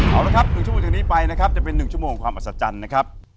เอาละครับ๑ชั่วโมงจากนี้ไปนะครับจะเป็น๑ชั่วโมงความอัศจรรย์นะครับ